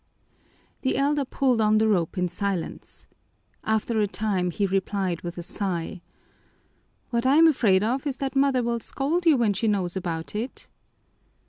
The elder pulled on the rope in silence. After a time he replied with a sigh: "What I'm afraid of is that mother will scold you when she knows about it."